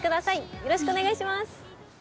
よろしくお願いします。